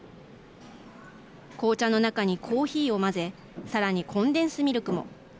紅茶の中にコーヒーを混ぜさらにコンデンスミルクも。